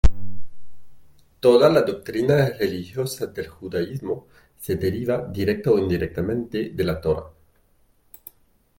Toda la doctrina religiosa del judaísmo se deriva, directa o indirectamente, de la Torah.